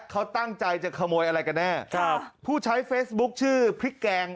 เขาตั้งใจจะขโมยอะไรกันแน่ครับผู้ใช้เฟซบุ๊คชื่อพริกแกง